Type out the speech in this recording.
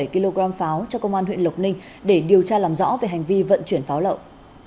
bảy kg pháo cho công an huyện lộc ninh để điều tra làm rõ về hành vi vận chuyển pháo lậu